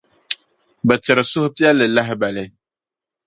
bɛ tiri suhupεlli lahibali.